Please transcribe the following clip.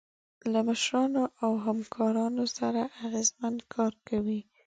له مشرانو او همکارانو سره اغیزمن کار کوئ.